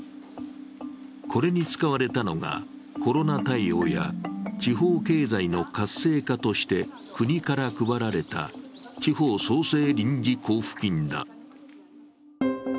これに使われたのがコロナ対応や地方経済の活性化として国から配られた地方創生臨時交付金だ。